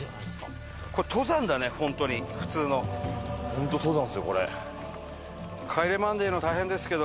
ホント登山ですよこれ。